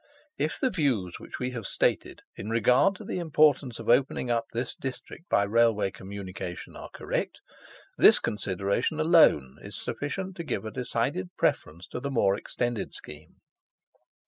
If the views which we have stated in regard to the importance of opening up this district by Railway communication are correct, this consideration alone is sufficient to give a decided preference to the more extended scheme.